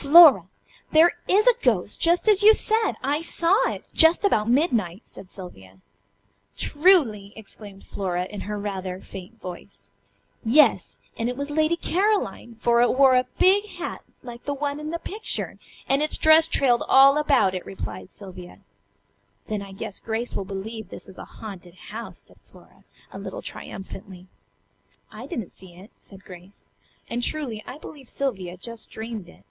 "Flora! There is a ghost! Just as you said! I saw it. Just about midnight," said Sylvia. "Truly!" exclaimed Flora, in rather a faint voice. "Yes. And it was Lady Caroline. For it wore a big hat, like the one in the picture, and its dress trailed all about it," replied Sylvia. "Then I guess Grace will believe this is a haunted house," said Flora, a little triumphantly. "I didn't see it," said Grace. "And, truly, I believe Sylvia just dreamed it."